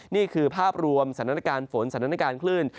นี่คือภาพรวมสถานการณ์ฝนสถานการณ์คลื่น